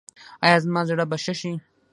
ایا زما زړه به ښه شي؟